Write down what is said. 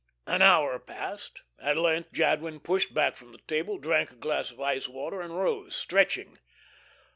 An hour passed. At length Jadwin pushed back from the table, drank a glass of ice water, and rose, stretching.